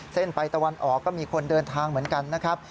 เส้นไปตะวันออกก็มีคนเดินทางเหมือนกันนะครับ